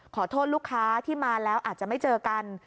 ขอโทษลูกค้าที่มาแล้วอาจจะไม่เจอกัน